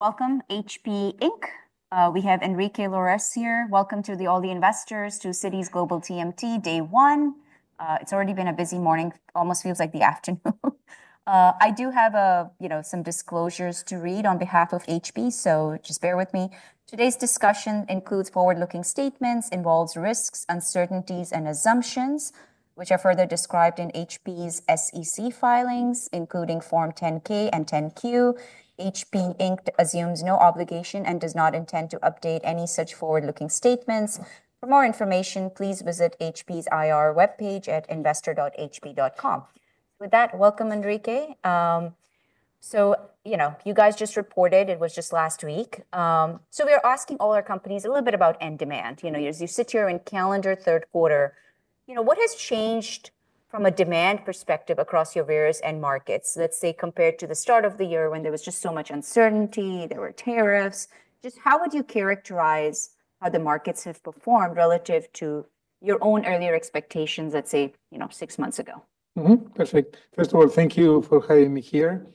Welcome, HP Inc. We have Enrique Lores here. Welcome to all the investors to Cities Global TMT Day 1. It's already been a busy morning. Almost feels like the afternoon. I do have some disclosures to read on behalf of HP, so just bear with me. Today's discussion includes forward-looking statements, involves risks, uncertainties, and assumptions, which are further described in HP's SEC filings, including Form 10-K and 10-Q. HP Inc. assumes no obligation and does not intend to update any such forward-looking statements. For more information, please visit HP's IR webpage at investor.hp.com. With that, welcome, Enrique. You guys just reported. It was just last week. We are asking all our companies a little bit about end demand. As you sit here in calendar third quarter, what has changed from a demand perspective across your various end markets, let's say, compared to the start of the year when there was just so much uncertainty, there were tariffs? How would you characterize how the markets have performed relative to your own earlier expectations, let's say, six months ago? Perfect. First of all, thank you for having me here.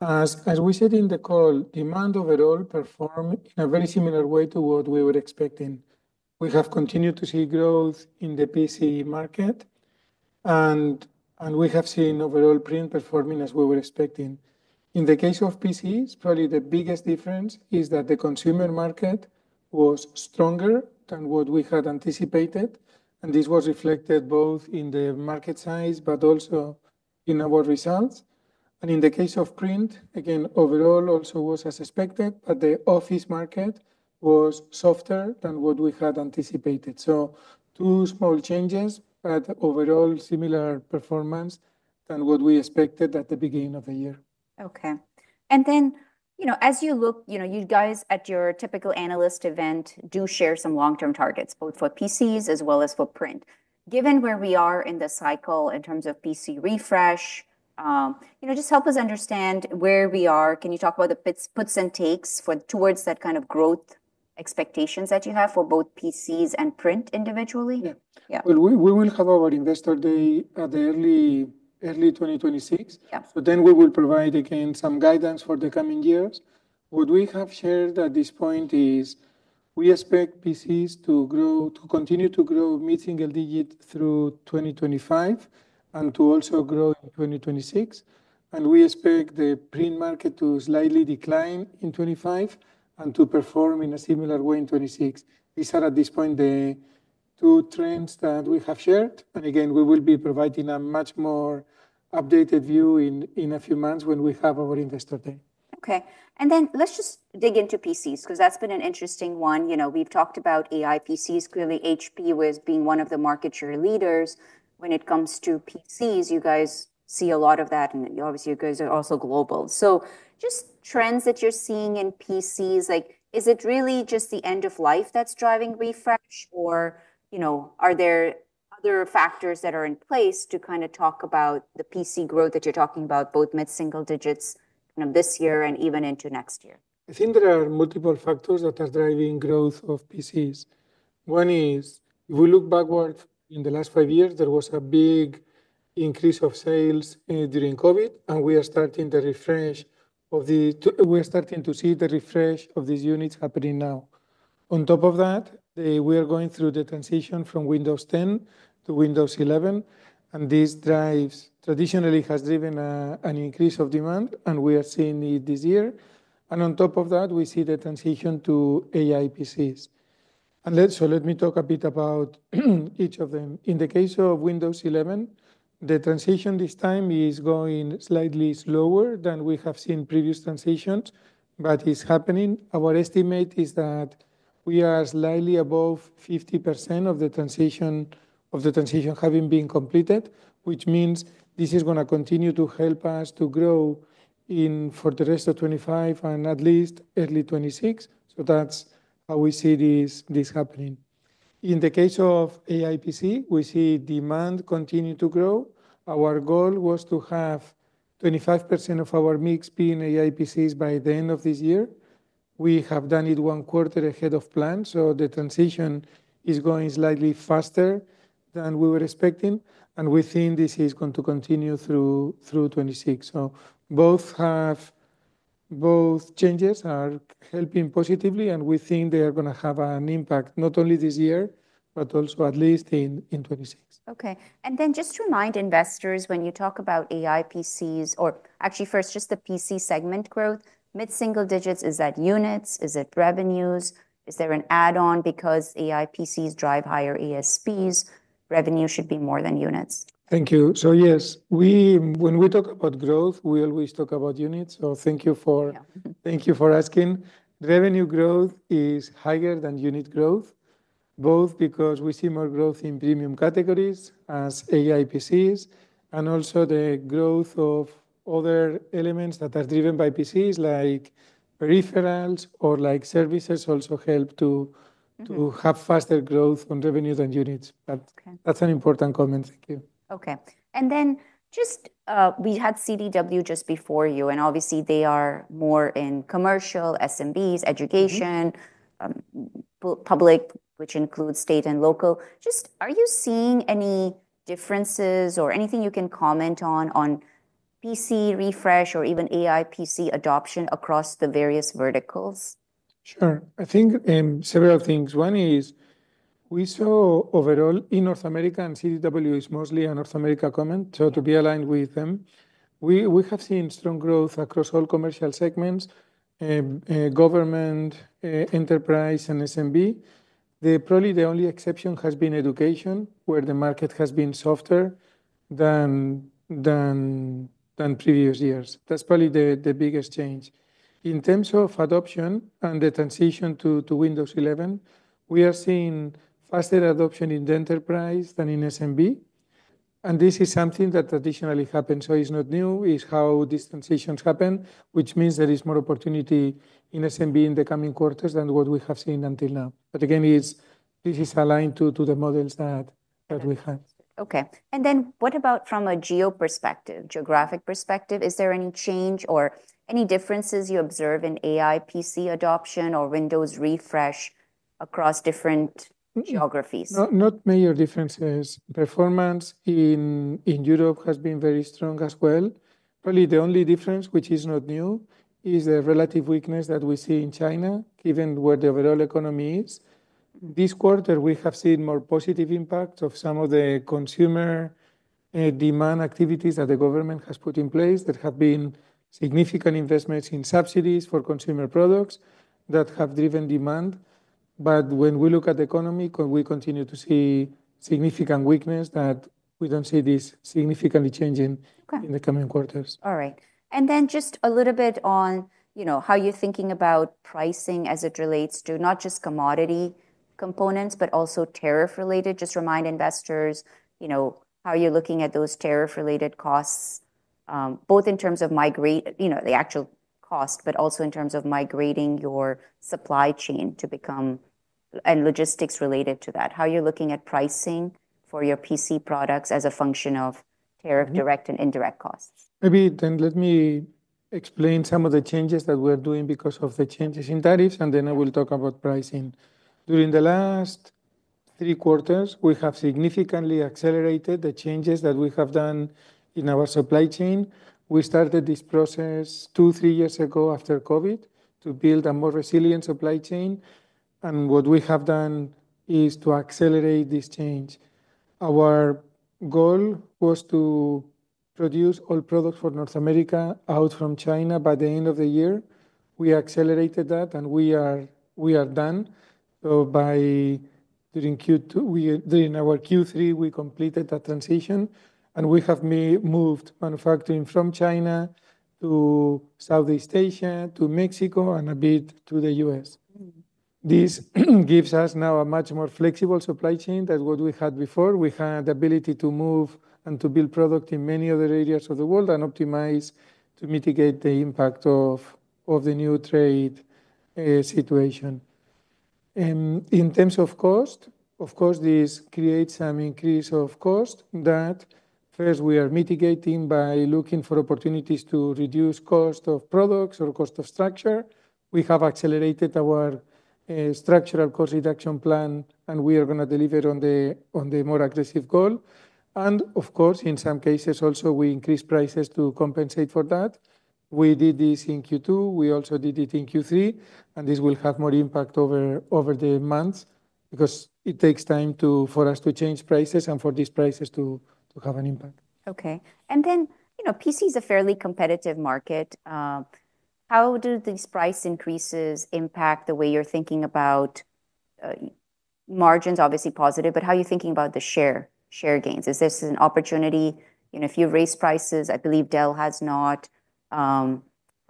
As we said in the call, demand overall performed in a very similar way to what we were expecting. We have continued to see growth in the PC market, and we have seen overall printing performing as we were expecting. In the case of PC, it's probably the biggest difference is that the consumer market was stronger than what we had anticipated, and this was reflected both in the market size but also in our results. In the case of print, overall also was as expected, but the office market was softer than what we had anticipated. Two small changes, but overall similar performance than what we expected at the beginning of the year. Okay. As you look, you guys at your typical analyst event do share some long-term targets both for PCs as well as for print. Given where we are in the cycle in terms of PC refresh, just help us understand where we are. Can you talk about the puts and takes towards that kind of growth expectations that you have for both PCs and print individually? We will have our investor day at early 2026, but then we will provide, again, some guidance for the coming years. What we have shared at this point is we expect PCs to continue to grow, meeting a digit through 2025 and to also grow in 2026. We expect the print market to slightly decline in 2025 and to perform in a similar way in 2026. These are, at this point, the two trends that we have shared. We will be providing a much more updated view in a few months when we have our investor day. Okay. Let's just dig into PCs because that's been an interesting one. We've talked about AI PCs. Clearly, HP was being one of the market share leaders when it comes to PCs. You guys see a lot of that. Obviously, you guys are also global. Just trends that you're seeing in PCs, like, is it really just the end of life that's driving refresh? Are there other factors that are in place to kind of talk about the PC growth that you're talking about, both mid-single digits this year and even into next year? I think there are multiple factors that are driving growth of PCs. One is, if we look backwards in the last five years, there was a big increase of sales during COVID, and we are starting to see the refresh of these units happening now. On top of that, we are going through the transition from Windows 10 to Windows 11, and this traditionally has driven an increase of demand, and we are seeing it this year. On top of that, we see the transition to AI PCs. Let me talk a bit about each of them. In the case of Windows 11, the transition this time is going slightly slower than we have seen in previous transitions, but it's happening. Our estimate is that we are slightly above 50% of the transition having been completed, which means this is going to continue to help us to grow for the rest of 2025 and at least early 2026. That's how we see this happening. In the case of AI PCs, we see demand continue to grow. Our goal was to have 25% of our mix being AI PCs by the end of this year. We have done it one quarter ahead of plan. The transition is going slightly faster than we were expecting, and we think this is going to continue through 2026. Both changes are helping positively, and we think they are going to have an impact not only this year, but also at least in 2026. Okay. Just to remind investors, when you talk about AI PCs, or actually first just the PC segment growth, mid-single digits, is that units? Is it revenues? Is there an add-on because AI PCs drive higher ESPs? Revenue should be more than units. Thank you. Yes, when we talk about growth, we always talk about units. Thank you for asking. Revenue growth is higher than unit growth, both because we see more growth in premium categories as AI PCs, and also the growth of other elements that are driven by PCs, like peripherals or like services, also help to have faster growth on revenue than units. That's an important comment. Thank you. Okay. We had CDW just before you, and obviously, they are more in commercial, SMBs, education, public, which includes state and local. Are you seeing any differences or anything you can comment on regarding PC refresh or even AI PC adoption across the various verticals? Sure. I think several things. One is, we saw overall in North America, and CDW is mostly a North America comment, so to be aligned with them, we have seen strong growth across all commercial segments, government, enterprise, and SMB. Probably the only exception has been education, where the market has been softer than previous years. That's probably the biggest change. In terms of adoption and the transition to Windows 11, we are seeing faster adoption in the enterprise than in SMB. This is something that traditionally happens. It's not new. It's how these transitions happen, which means there is more opportunity in SMB in the coming quarters than what we have seen until now. This is aligned to the models that we have. Okay. What about from a geo perspective, geographic perspective? Is there any change or any differences you observe in AI PC adoption or Windows refresh across different geographies? Not major differences. Performance in Europe has been very strong as well. Probably the only difference, which is not new, is the relative weakness that we see in China, given where the overall economy is. This quarter, we have seen more positive impacts of some of the consumer demand activities that the government has put in place. There have been significant investments in subsidies for consumer products that have driven demand. When we look at the economy, we continue to see significant weakness that we don't see this significantly changing in the coming quarters. All right. Just a little bit on how you're thinking about pricing as it relates to not just commodity components, but also tariff-related. Just remind investors how you're looking at those tariff-related costs, both in terms of migrating the actual cost, but also in terms of migrating your supply chain to become and logistics related to that. How you're looking at pricing for your PC products as a function of tariff direct and indirect costs. Maybe then let me explain some of the changes that we are doing because of the changes in tariffs, and then I will talk about pricing. During the last three quarters, we have significantly accelerated the changes that we have done in our supply chain. We started this process two, three years ago after COVID to build a more resilient supply chain. What we have done is to accelerate this change. Our goal was to produce all products for North America out from China by the end of the year. We accelerated that, and we are done. During our Q3, we completed that transition, and we have moved manufacturing from China to Southeast Asia, to Mexico, and a bit to the U.S. This gives us now a much more flexible supply chain than what we had before. We had the ability to move and to build product in many other areas of the world and optimize to mitigate the impact of the new trade situation. In terms of cost, of course, this creates an increase of cost that, first, we are mitigating by looking for opportunities to reduce cost of products or cost of structure. We have accelerated our structural cost reduction plan, and we are going to deliver on the more aggressive goal. Of course, in some cases, also, we increase prices to compensate for that. We did this in Q2. We also did it in Q3. This will have more impact over the months because it takes time for us to change prices and for these prices to have an impact. Okay. PC is a fairly competitive market. How do these price increases impact the way you're thinking about margins? Obviously positive, but how are you thinking about the share gains? Is this an opportunity? If you raise prices, I believe Dell has not.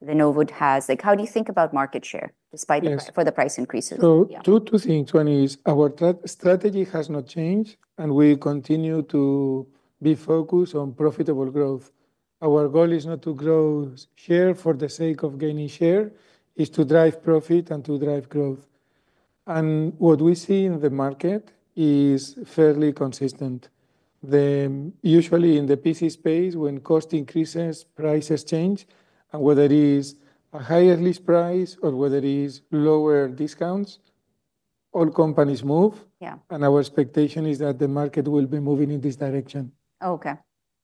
Lenovo has. How do you think about market share despite the price increases? Our strategy has not changed, and we continue to be focused on profitable growth. Our goal is not to grow share for the sake of gaining share. It's to drive profit and to drive growth. What we see in the market is fairly consistent. Usually, in the PC space, when cost increases, prices change. Whether it is a higher list price or whether it is lower discounts, all companies move. Our expectation is that the market will be moving in this direction. OK.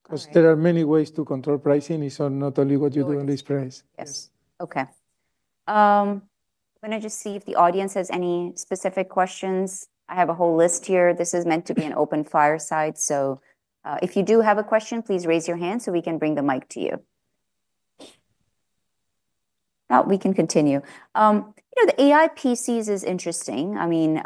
Because there are many ways to control pricing. It's not only what you do on this price. Yes. Okay. I'm going to just see if the audience has any specific questions. I have a whole list here. This is meant to be an open-fire site. If you do have a question, please raise your hand so we can bring the mic to you. You know, the AI PCs is interesting. I mean,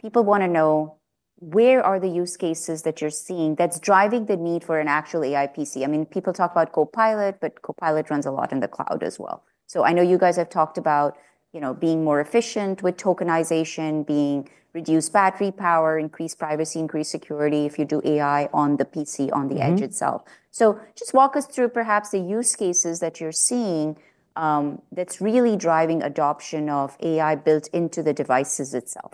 people want to know where are the use cases that you're seeing that's driving the need for an actual AI PC? I mean, people talk about Copilot, but Copilot runs a lot in the cloud as well. I know you guys have talked about being more efficient with tokenization, being reduced battery power, increased privacy, increased security if you do AI on the PC, on the edge itself. Just walk us through perhaps the use cases that you're seeing that's really driving adoption of AI built into the devices itself.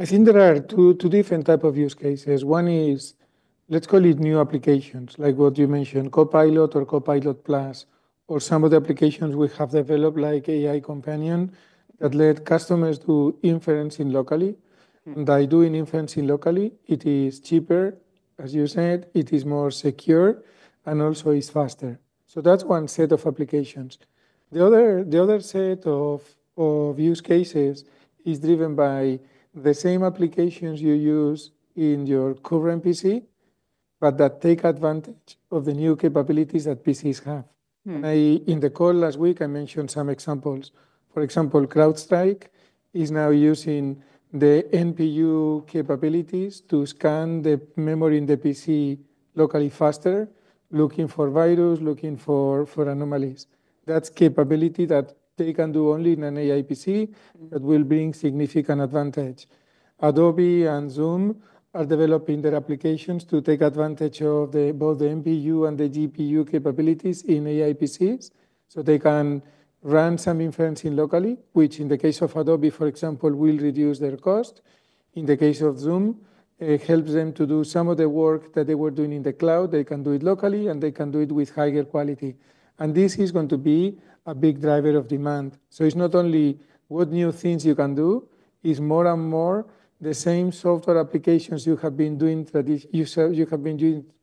I think there are two different types of use cases. One is, let's call it new applications, like what you mentioned, Copilot or Copilot+, or some of the applications we have developed, like AI Companion, that let customers do inferencing locally. By doing inferencing locally, it is cheaper, as you said, it is more secure, and also it's faster. That's one set of applications. The other set of use cases is driven by the same applications you use in your current PC, but that take advantage of the new capabilities that PCs have. In the call last week, I mentioned some examples. For example, CrowdStrike is now using the NPU capabilities to scan the memory in the PC locally faster, looking for virus, looking for anomalies. That's a capability that they can do only in an AI PC that will bring significant advantage. Adobe and Zoom are developing their applications to take advantage of both the NPU and the GPU capabilities in AI PCs. They can run some inferencing locally, which in the case of Adobe, for example, will reduce their cost. In the case of Zoom, it helps them to do some of the work that they were doing in the cloud. They can do it locally, and they can do it with higher quality. This is going to be a big driver of demand. It's not only what new things you can do. It's more and more the same software applications you have been doing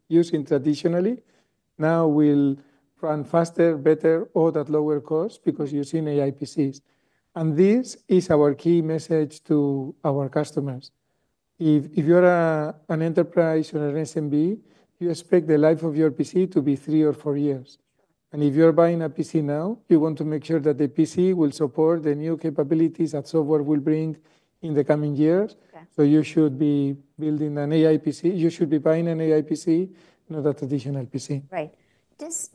using traditionally now will run faster, better, all at lower cost because you're seeing AI PCs. This is our key message to our customers. If you're an enterprise or an SMB, you expect the life of your PC to be three or four years. If you're buying a PC now, you want to make sure that the PC will support the new capabilities that software will bring in the coming years. You should be building an AI PC, you should be buying an AI PC, not a traditional PC. Right.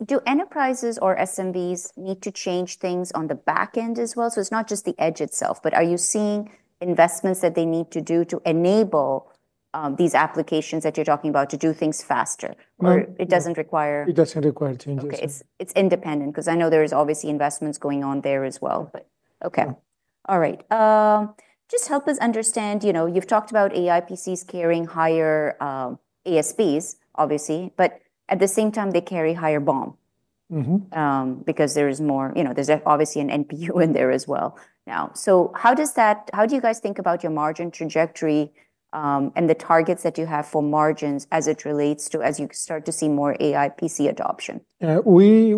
Do enterprises or SMBs need to change things on the back end as well? It's not just the edge itself, but are you seeing investments that they need to do to enable these applications that you're talking about to do things faster? It doesn't require. It doesn't require changes. Okay. It's independent because I know there is obviously investments going on there as well. All right. Just help us understand, you've talked about AI PCs carrying higher ASPs, obviously, but at the same time, they carry higher BOM because there is more, there's obviously an NPU in there as well now. How does that, how do you guys think about your margin trajectory and the targets that you have for margins as it relates to, as you start to see more AI PC adoption? We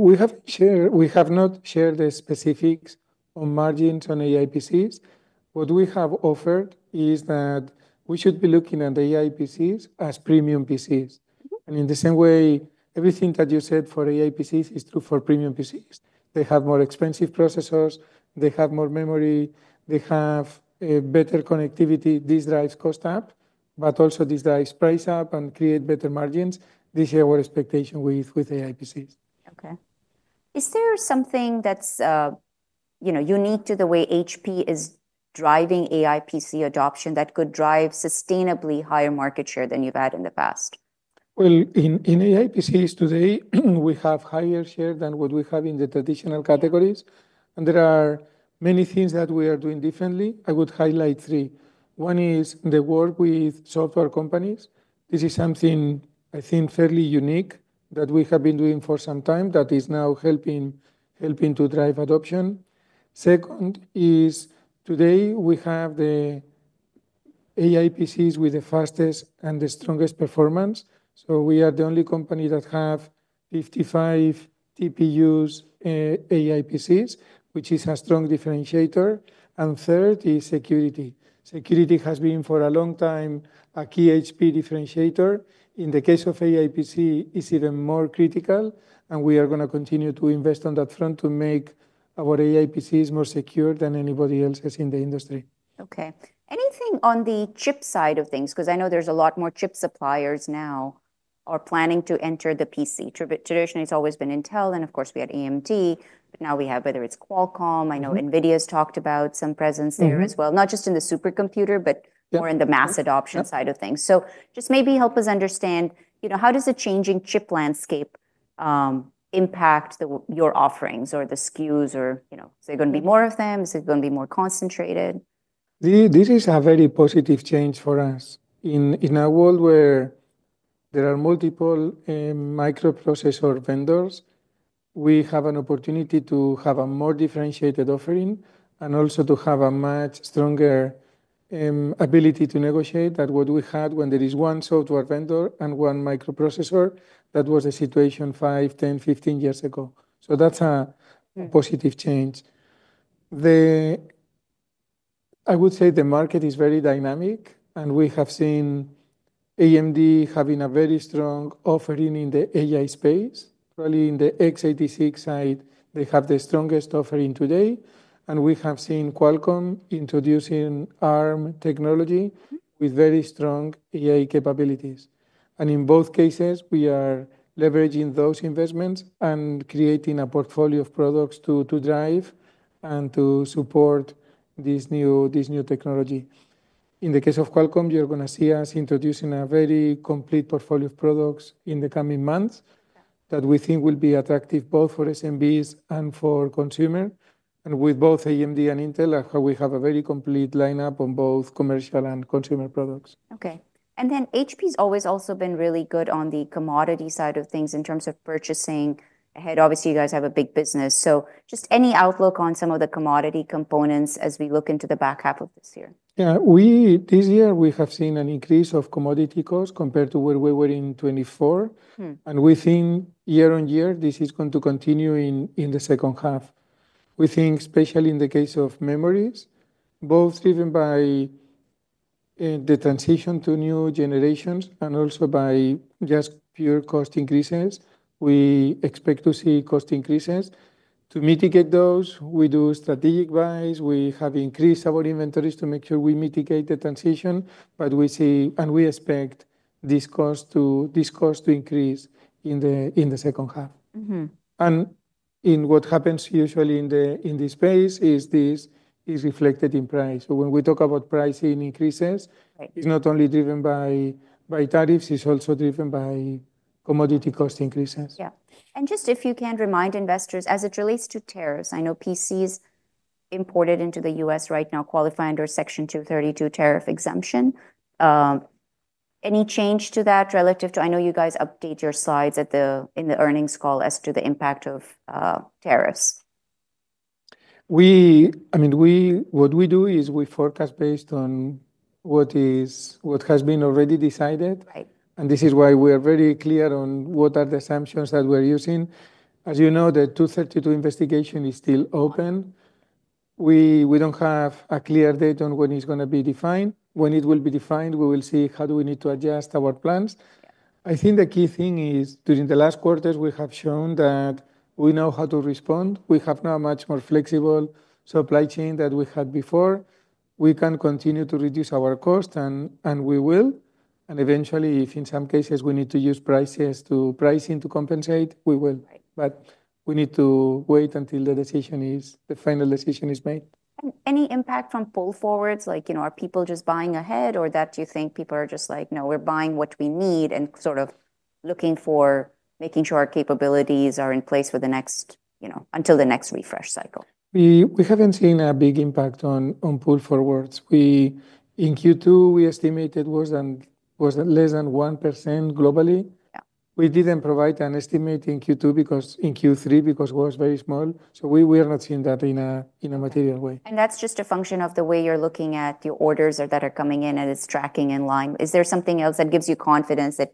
have not shared the specifics on margins on AI PCs. What we have offered is that we should be looking at AI PCs as premium PCs. In the same way, everything that you said for AI PCs is true for premium PCs. They have more expensive processors, more memory, and better connectivity. This drives cost up, but also drives price up and creates better margins. This is our expectation with AI PCs. Okay. Is there something that's unique to the way HP is driving AI PC adoption that could drive sustainably higher market share than you've had in the past? In AI PCs today, we have higher share than what we have in the traditional categories. There are many things that we are doing differently. I would highlight three. One is the work with software companies. This is something I think fairly unique that we have been doing for some time that is now helping to drive adoption. Second is today we have the AI PCs with the fastest and the strongest performance. We are the only company that has 55 CPUs AI PCs, which is a strong differentiator. Third is security. Security has been for a long time a key HP differentiator. In the case of AI PC, it's even more critical. We are going to continue to invest on that front to make our AI PCs more secure than anybody else's in the industry. Okay. Anything on the chip side of things? I know there's a lot more chip suppliers now are planning to enter the PC. Traditionally, it's always been Intel. Of course, we had AMD. Now we have whether it's Qualcomm. I know NVIDIA has talked about some presence there as well, not just in the supercomputer, but more in the mass adoption side of things. Maybe help us understand, you know, how does the changing chip landscape impact your offerings or the SKUs? Is there going to be more of them? Is it going to be more concentrated? This is a very positive change for us. In a world where there are multiple microprocessor vendors, we have an opportunity to have a more differentiated offering and also to have a much stronger ability to negotiate than what we had when there is one software vendor and one microprocessor. That was the situation 5, 10, 15 years ago. That's a positive change. I would say the market is very dynamic. We have seen AMD having a very strong offering in the AI space. Probably in the x86 side, they have the strongest offering today. We have seen Qualcomm introducing ARM technology with very strong AI capabilities. In both cases, we are leveraging those investments and creating a portfolio of products to drive and to support this new technology. In the case of Qualcomm, you're going to see us introducing a very complete portfolio of products in the coming months that we think will be attractive both for SMBs and for consumers. With both AMD and Intel, we have a very complete lineup on both commercial and consumer products. Okay. HP has always also been really good on the commodity side of things in terms of purchasing ahead. Obviously, you guys have a big business. Just any outlook on some of the commodity components as we look into the back half of this year? Yeah. This year, we have seen an increase of commodity costs compared to where we were in 2024. We think year on year, this is going to continue in the second half. We think, especially in the case of memories, both driven by the transition to new generations and also by just pure cost increases, we expect to see cost increases. To mitigate those, we do strategic buys. We have increased our inventories to make sure we mitigate the transition. We see and we expect this cost to increase in the second half. What happens usually in this space is this is reflected in price. When we talk about pricing increases, it's not only driven by tariffs. It's also driven by commodity cost increases. If you can remind investors, as it relates to tariffs, I know PCs imported into the U.S., right now qualify under Section 232 tariff exemption. Any change to that relative to, I know you guys update your slides in the earnings call as to the impact of tariffs? I mean, what we do is we forecast based on what has been already decided. This is why we are very clear on what are the assumptions that we're using. As you know, the 232 investigation is still open. We don't have a clear date on when it's going to be defined. When it will be defined, we will see how we need to adjust our plans. I think the key thing is, during the last quarters, we have shown that we know how to respond. We have now a much more flexible supply chain than we had before. We can continue to reduce our costs, and we will. Eventually, if in some cases we need to use pricing to compensate, we will. We need to wait until the final decision is made. Any impact from pull forwards? Like, you know, are people just buying ahead? Or do you think people are just like, no, we're buying what we need and sort of looking for making sure our capabilities are in place for the next, you know, until the next refresh cycle? We haven't seen a big impact on pull forwards. In Q2, we estimated it was less than 1% globally. We didn't provide an estimate in Q3 because it was very small. We are not seeing that in a material way. Is that just a function of the way you're looking at your orders that are coming in and it's tracking in line? Is there something else that gives you confidence that,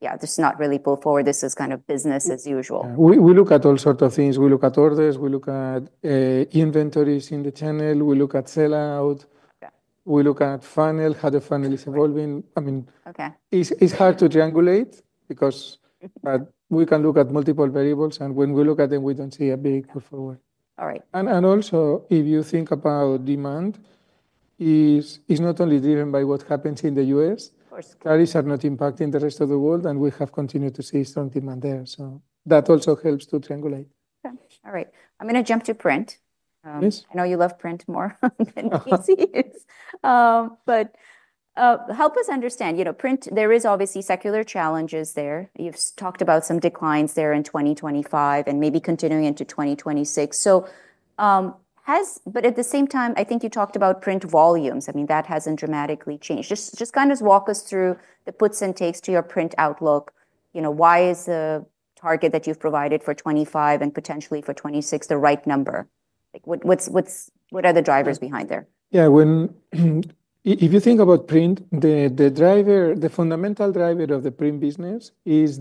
yeah, this is not really pull forward? This is kind of business as usual? We look at all sorts of things. We look at orders, inventories in the channel, sellout, and how the funnel is evolving. It's hard to triangulate because we can look at multiple variables. When we look at them, we don't see a big pull forward. All right. If you think about demand, it's not only driven by what happens in the U.S. Of course. Tariffs are not impacting the rest of the world, and we have continued to see strong demand there. That also helps to triangulate. Okay. All right. I'm going to jump to print. Yes. I know you love print more than PCs. Help us understand, you know, print, there are obviously secular challenges there. You've talked about some declines there in 2025 and maybe continuing into 2026. At the same time, I think you talked about print volumes. I mean, that hasn't dramatically changed. Just kind of walk us through the puts and takes to your print outlook. You know, why is the target that you've provided for 2025 and potentially for 2026 the right number? What are the drivers behind there? Yeah. If you think about print, the driver, the fundamental driver of the print business is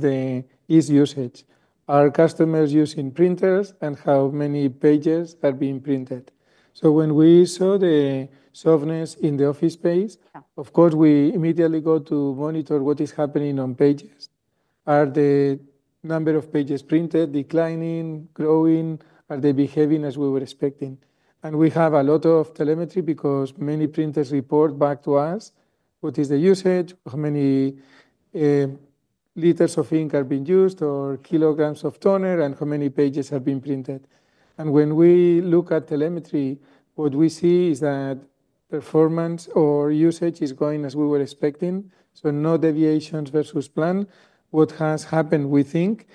usage. Our customers are using printers and how many pages are being printed. When we saw the softness in the office space, of course, we immediately go to monitor what is happening on pages. Are the number of pages printed declining, growing? Are they behaving as we were expecting? We have a lot of telemetry because many printers report back to us what is the usage, how many liters of ink are being used, or kilograms of toner, and how many pages are being printed. When we look at telemetry, what we see is that performance or usage is going as we were expecting. No deviations versus plan. What has happened, we think, is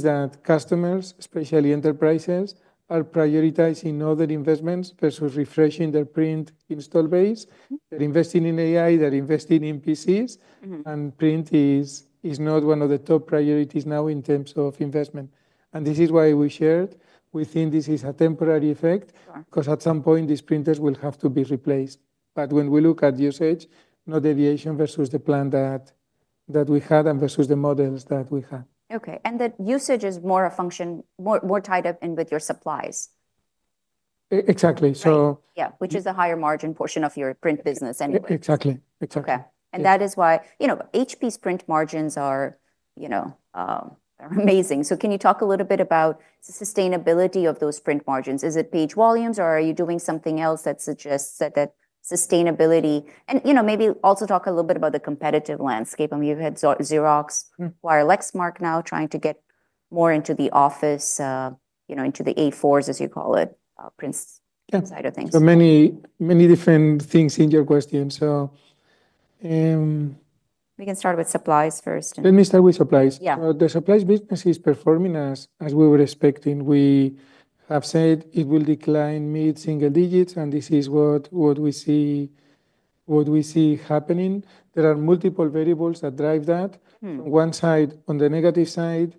that customers, especially enterprises, are prioritizing other investments versus refreshing their print install base. They're investing in AI. They're investing in PCs. Print is not one of the top priorities now in terms of investment. This is why we shared. We think this is a temporary effect because at some point, these printers will have to be replaced. When we look at usage, no deviation versus the plan that we had and versus the models that we have. Okay. That usage is more a function, more tied up in with your supplies. Exactly. Yeah, which is the higher margin portion of your Printing business anyway. Exactly. Exactly. Okay. That is why, you know, HP's print margins are, you know, amazing. Can you talk a little bit about the sustainability of those print margins? Is it page volumes? Are you doing something else that suggests that sustainability? Maybe also talk a little bit about the competitive landscape. I mean, you've had Xerox or a LexMac now trying to get more into the office, you know, into the A4s, as you call it, print side of things. There are many, many different things in your question. We can start with supplies first. Let me start with supplies. Yeah. The supplies business is performing as we were expecting. We have said it will decline mid-single digits, and this is what we see happening. There are multiple variables that drive that. On one side, on the negative side,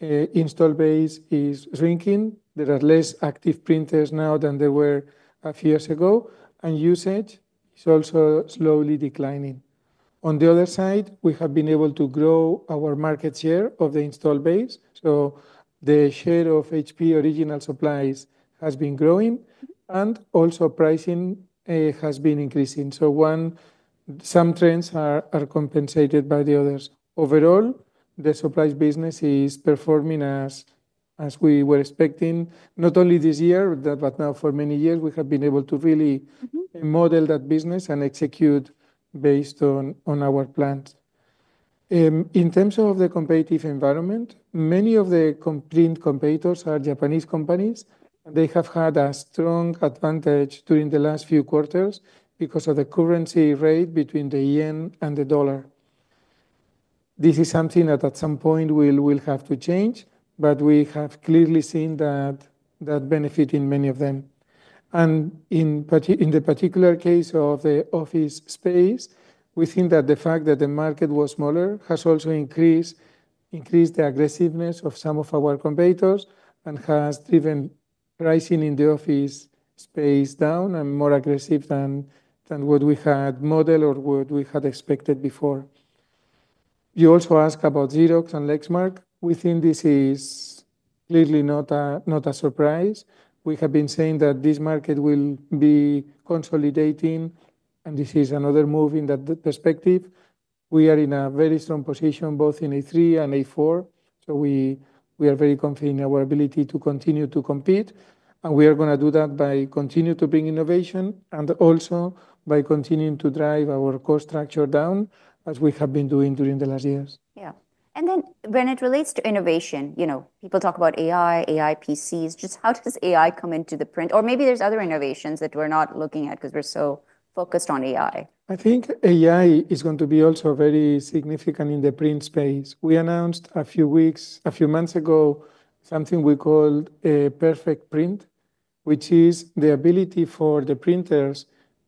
install base is shrinking. There are less active printers now than there were a few years ago, and usage is also slowly declining. On the other side, we have been able to grow our market share of the install base, so the share of HP original supplies has been growing, and also, pricing has been increasing. Some trends are compensated by the others. Overall, the supplies business is performing as we were expecting, not only this year, but now for many years. We have been able to really model that business and execute based on our plans. In terms of the competitive environment, many of the print competitors are Japanese companies, and they have had a strong advantage during the last few quarters because of the currency rate between the yen and the dollar. This is something that at some point we will have to change. We have clearly seen that benefit in many of them. In the particular case of the office space, we think that the fact that the market was smaller has also increased the aggressiveness of some of our competitors and has driven pricing in the office space down and more aggressive than what we had modeled or what we had expected before. You also ask about Xerox and LexMac. We think this is clearly not a surprise. We have been saying that this market will be consolidating, and this is another move in that perspective. We are in a very strong position both in A3 and A4, so we are very confident in our ability to continue to compete. We are going to do that by continuing to bring innovation and also by continuing to drive our cost structure down, as we have been doing during the last years. Yeah. When it relates to innovation, you know, people talk about AI, AI PCs. Just how does AI come into the print? Or maybe there's other innovations that we're not looking at because we're so focused on AI. I think AI is going to be also very significant in the print space. We announced a few months ago something we called perfect print, which is the ability for the printers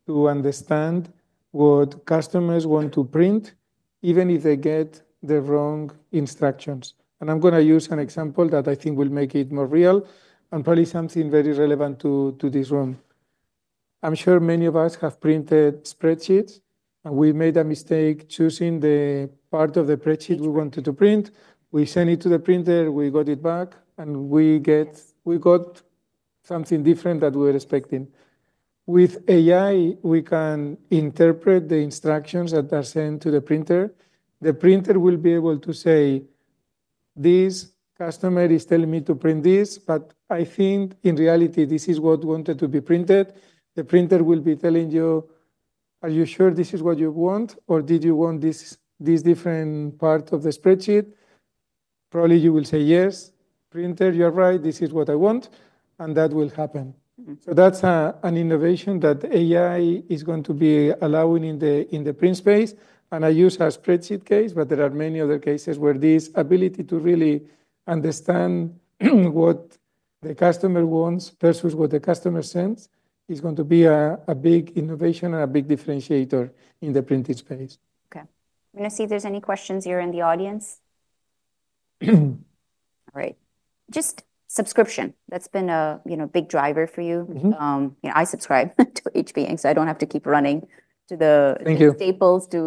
to understand what customers want to print, even if they get the wrong instructions. I'm going to use an example that I think will make it more real and probably something very relevant to this room. I'm sure many of us have printed spreadsheets, and we made a mistake choosing the part of the spreadsheet we wanted to print. We sent it to the printer, we got it back, and we got something different than we were expecting. With AI, we can interpret the instructions that are sent to the printer. The printer will be able to say, this customer is telling me to print this, but I think in reality, this is what wanted to be printed. The printer will be telling you, are you sure this is what you want? Or did you want this different part of the spreadsheet? Probably you will say, yes, printer, you're right. This is what I want, and that will happen. That's an innovation that AI is going to be allowing in the print space. I use a spreadsheet case, but there are many other cases where this ability to really understand what the customer wants versus what the customer sends is going to be a big innovation and a big differentiator in the printing space. Okay. I'm going to see if there's any questions here in the audience. All right. Just subscription. That's been a big driver for you. You know, I subscribe to HP. I don't have to keep running to the Staples to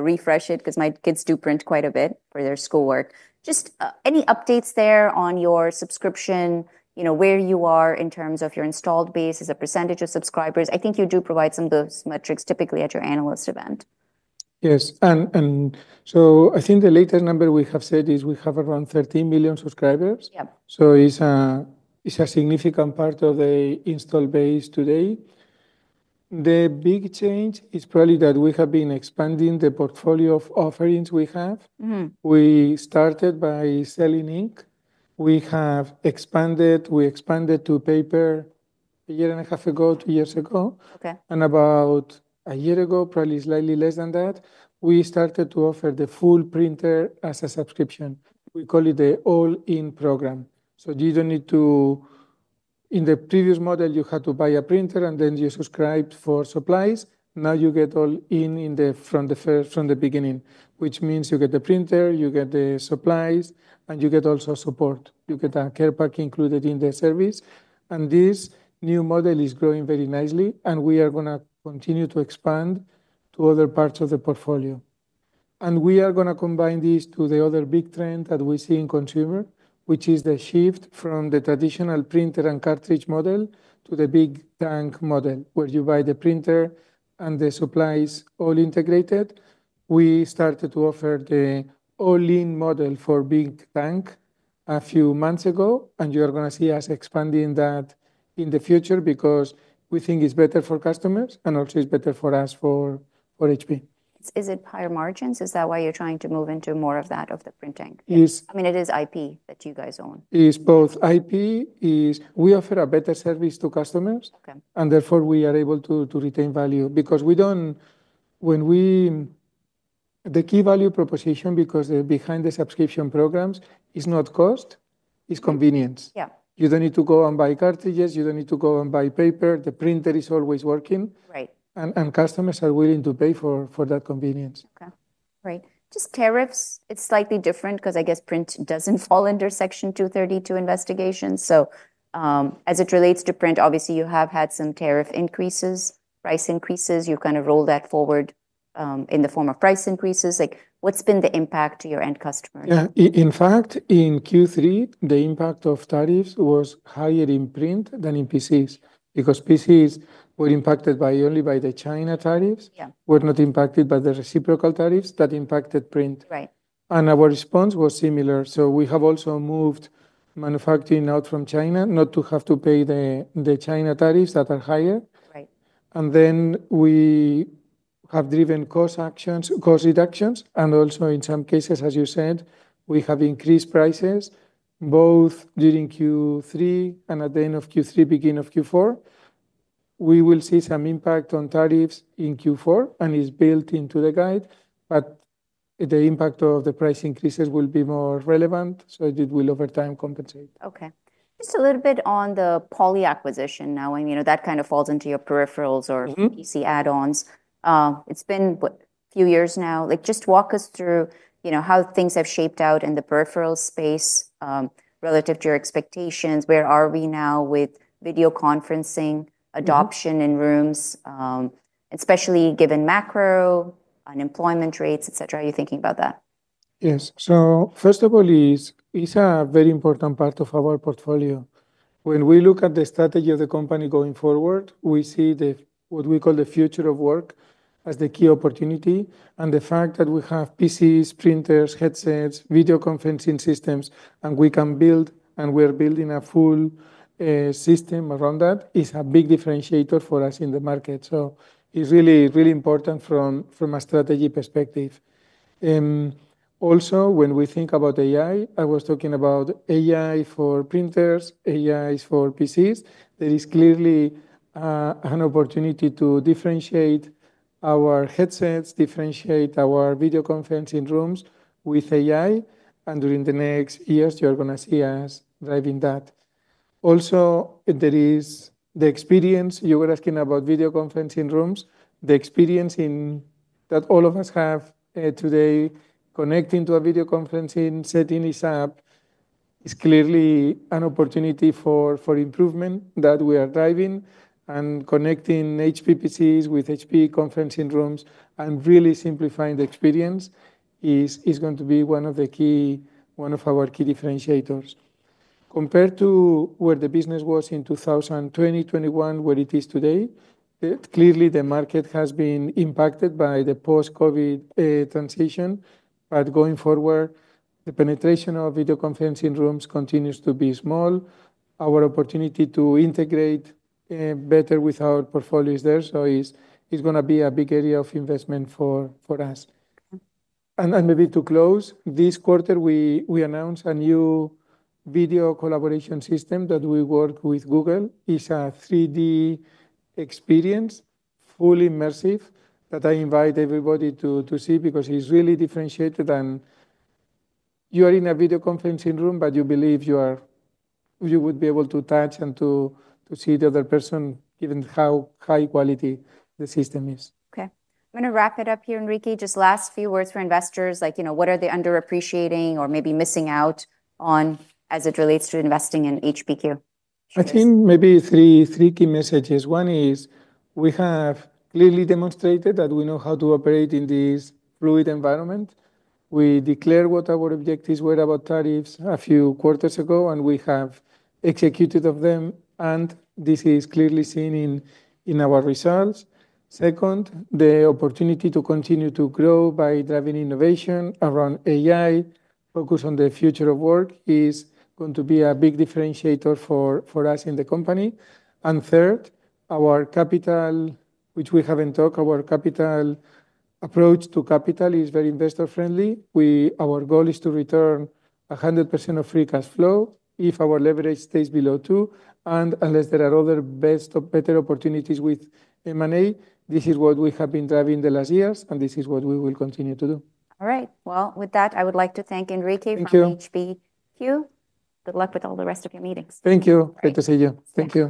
refresh it because my kids do print quite a bit for their schoolwork. Any updates there on your subscription, where you are in terms of your installed base, as a percentage of subscribers? I think you do provide some of those metrics typically at your analyst event. I think the latest number we have said is we have around 13 million subscribers. Yeah. It's a significant part of the install base today. The big change is probably that we have been expanding the portfolio of offerings we have. We started by selling ink. We have expanded to paper a year and a half ago, two years ago. Okay. About a year ago, probably slightly less than that, we started to offer the full printer as a subscription. We call it the all-in program. In the previous model, you had to buy a printer, and then you subscribed for supplies. Now you get all in from the beginning, which means you get the printer, you get the supplies, and you also get support. You get a care pack included in the service. This new model is growing very nicely. We are going to continue to expand to other parts of the portfolio, and we are going to combine this with the other big trend that we see in consumer, which is the shift from the traditional printer and cartridge model to the big tank model, where you buy the printer and the supplies all integrated. We started to offer the all-in model for big tank a few months ago, and you are going to see us expanding that in the future because we think it's better for customers and also it's better for us for HP. Is it higher margins? Is that why you're trying to move into more of that of the printing? Yes. I mean, it is IP that you guys own. It's both IP. We offer a better service to customers, and therefore, we are able to retain value because we don't, when we, the key value proposition behind the subscription programs is not cost. It's convenience. Yeah. You don't need to go and buy cartridges, you don't need to go and buy paper. The printer is always working. Right. Customers are willing to pay for that convenience. Okay. Right. Just tariffs. It's slightly different because I guess printing doesn't fall under Section 232 investigations. As it relates to printing, obviously, you have had some tariff increases, price increases. You kind of roll that forward in the form of price increases. What's been the impact to your end customers? In fact, in Q3, the impact of tariffs was higher in printing than in PCs because PCs was impacted only by the China tariffs. Yeah. Were not impacted by the reciprocal tariffs that impacted printing. Right. Our response was similar. We have also moved manufacturing out from China not to have to pay the China tariffs that are higher. Right. We have driven cost actions, cost reductions. Also, in some cases, as you said, we have increased prices both during Q3 and at the end of Q3, beginning of Q4. We will see some impact on tariffs in Q4, and it's built into the guide. The impact of the price increases will be more relevant. It will over time compensate. OK. Just a little bit on the Poly acquisition now. You know, that kind of falls into your peripherals or PC add-ons. It's been a few years now. Just walk us through how things have shaped out in the peripheral space relative to your expectations. Where are we now with video conferencing, adoption in rooms, especially given macro, unemployment rates, et cetera? Are you thinking about that? Yes. First of all, it's a very important part of our portfolio. When we look at the strategy of the company going forward, we see what we call the future of work as the key opportunity. The fact that we have PCs, printers, headsets, video conferencing systems, and we can build, and we are building, a full system around that is a big differentiator for us in the market. It's really, really important from a strategy perspective. Also, when we think about AI, I was talking about AI for printers, AI for PCs. There is clearly an opportunity to differentiate our headsets, differentiate our video conferencing rooms with AI. During the next years, you're going to see us driving that. There is the experience. You were asking about video conferencing rooms. The experience that all of us have today connecting to a video conferencing setting is up. It's clearly an opportunity for improvement that we are driving. Connecting HP PCs with HP conferencing rooms and really simplifying the experience is going to be one of our key differentiators. Compared to where the business was in 2020, 2021, where it is today, clearly the market has been impacted by the post-COVID transition. Going forward, the penetration of video conferencing rooms continues to be small. Our opportunity to integrate better with our portfolio is there. It's going to be a big area of investment for us. Maybe to close, this quarter, we announced a new video collaboration system that we work with Google. It's a 3D experience, fully immersive, that I invite everybody to see because it's really differentiated. You are in a video conferencing room, but you believe you would be able to touch and to see the other person, given how high quality the system is. Okay. I'm going to wrap it up here, Enrique. Just last few words for investors. Like, you know, what are they underappreciating or maybe missing out on as it relates to investing in HP care? I think maybe three key messages. One is we have clearly demonstrated that we know how to operate in this fluid environment. We declared what our objectives were about tariffs a few quarters ago, and we have executed on them. This is clearly seen in our results. Second, the opportunity to continue to grow by driving innovation around AI, focused on the future of work, is going to be a big differentiator for us in the company. Third, our capital, which we haven't talked, our capital approach to capital is very investor-friendly. Our goal is to return 100% of free cash flow if our leverage stays below 2%. Unless there are other better opportunities with M&A, this is what we have been driving the last years, and this is what we will continue to do. All right. With that, I would like to thank Enrique Lores from HP Inc. Good luck with all the rest of your meetings. Thank you. Great to see you. Thank you.